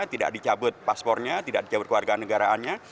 tidak dicabut paspornya tidak dicabut ke warga negaraannya